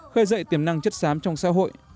khơi dậy tiềm năng chất sám trong xã hội